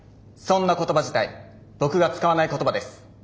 そんな言葉自体僕が使わない言葉です。